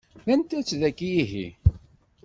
D anta-tt tagi ihi?